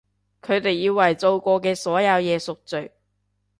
佢哋要為做過嘅所有嘢贖罪！